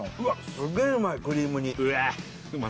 すげえうまいクリーム煮うわ